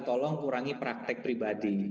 tolong kurangi praktek pribadi